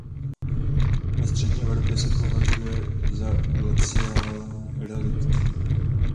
Ve střední Evropě se považuje za glaciální relikt.